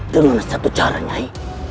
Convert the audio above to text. dengan satu caranya nyai